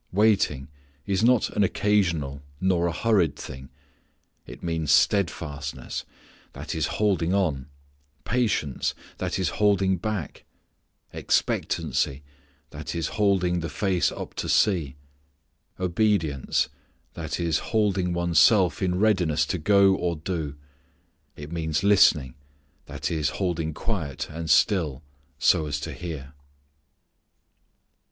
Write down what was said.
Waiting is not an occasional nor a hurried thing. It means steadfastness, that is holding on; patience, that is holding back; expectancy, that is holding the face up to see; obedience, that is holding one's self in readiness to go or do; it means listening, that is holding quiet and still so as to hear.